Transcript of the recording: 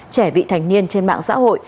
trẻ vị thành niên trên mạng xã hội